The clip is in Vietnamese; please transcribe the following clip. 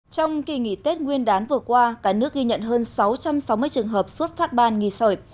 trong kỳ nghỉ tết nguyên đán vừa qua cả nước ghi nhận hơn sáu trăm sáu mươi trường hợp xuất phát ban nghỉ sởi